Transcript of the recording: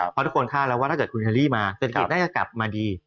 เพราะทุกคนคาดแล้วว่าถ้าเกิดคุณเคอรี่มาเศรษฐกิจน่าจะกลับมาดี